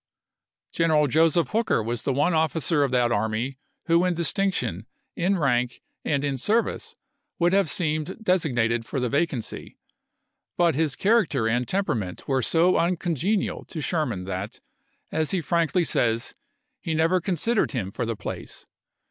General Joseph Hooker was the one officer of that army who in distinction, in rank, and in service, would have seemed designated for the vacancy ; but his character and temperament were so uncongenial to Sherman that, as he frankly says, he never considered him for the place.